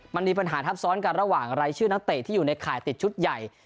มันมีปัญหาทับซ้อนกันระหว่างรายชื่อนักเตะที่อยู่ในข่ายติดชุดใหญ่